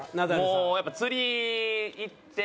もうやっぱ釣り行って。